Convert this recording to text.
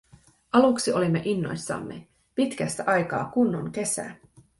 Aluksi olimme innoissamme: pitkästä aikaa kunnon kesä!